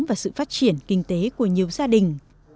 và sự phát triển kinh tế của nhiều gia đình